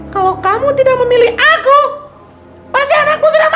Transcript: kalau kamu tidak memilih aku pasien aku sudah mati